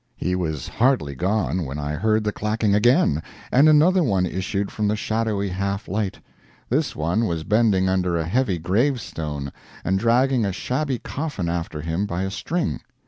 He was hardly gone when I heard the clacking again, and another one issued from the shadowy half light. This one was bending under a heavy gravestone, and dragging a shabby coffin after him by a string.